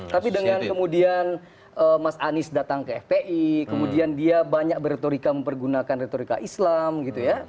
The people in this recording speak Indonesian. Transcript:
tapi dengan kemudian mas anies datang ke fpi kemudian dia banyak beretorika mempergunakan retorika islam gitu ya